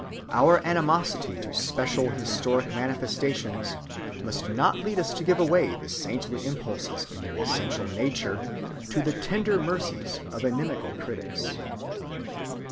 Our animosity to special historic manifestations must not lead us to give away the saintly impulses in their essential nature to the tender mercies of inimical critics.